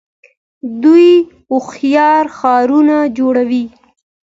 دوی هوښیار ښارونه جوړوي.